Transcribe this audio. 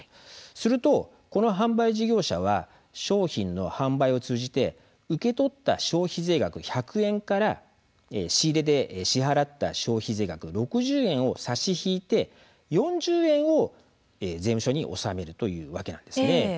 すると、この販売事業者は商品の販売を通じて受け取った消費税額１００円から仕入れで支払った消費税額６０円を差し引いて４０円を税務署に納めるというわけなんです。